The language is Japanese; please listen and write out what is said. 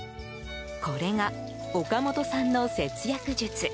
これが岡本さんの節約術。